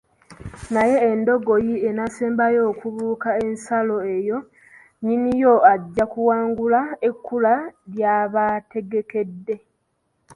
Naye endogoyi enaasembayo okubuuka ensalo eyo nnyini yo ye ajja okuwangula ekkula ly’abategekedde.